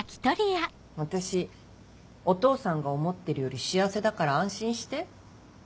私お父さんが思ってるより幸せだから安心して。